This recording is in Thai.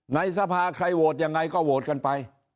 ในสภาใครโหวตยังไงก็โหวตกันไป